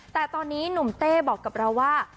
แต่ตอนนี้หนุ่มเต้บอกกับเราว่า